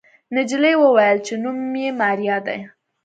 نجلۍ وويل چې نوم يې ماريا دی.